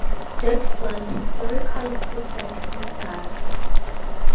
Jackson historically preferred big guards.